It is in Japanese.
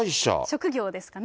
職業ですかね。